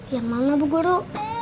yang mana bu guru